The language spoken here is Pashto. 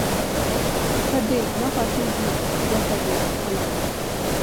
که دې نه خوښېږي ګوته دې خپله ده.